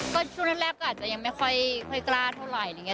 ก็ช่วงแรกก็อาจจะยังไม่ค่อยกล้าเท่าไหร่